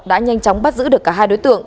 đã nhanh chóng bắt giữ được cả hai đối tượng